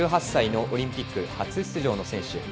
１８歳でオリンピック初出場の選手。